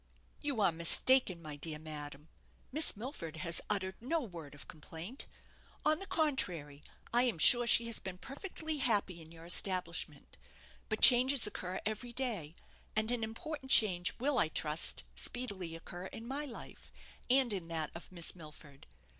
"You are mistaken, my dear madam; Miss Milford has uttered no word of complaint. On the contrary, I am sure she has been perfectly happy in your establishment; but changes occur every day, and an important change will, I trust, speedily occur in my life, and in that of Miss Milford.